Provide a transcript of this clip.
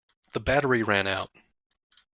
The battery ran out.